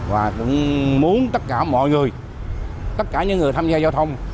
và cũng muốn tất cả mọi người tất cả những người tham gia giao thông